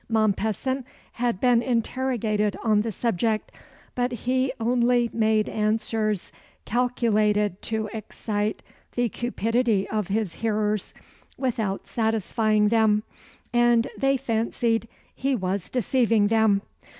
Mompesson had been interrogated on the subject; but he only made answers calculated to excite the cupidity of his hearers without satisfying them, and they fancied he was deceiving them.